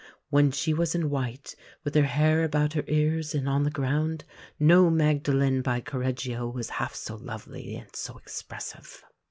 When she was in white, with her hair about her ears and on the ground, no Magdalen by Correggio was half so lovely and so expressive."